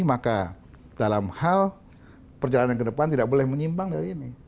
maka dalam hal perjalanan ke depan tidak boleh menyimbang dari ini